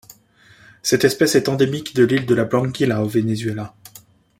Cette espèce est endémique de l'île de la Blanquilla au Venezuela.